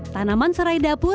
tanaman serai dapur